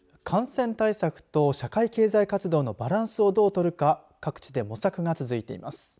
感染対策と社会経済活動のバランスをどう取るか各地で模索が続いています。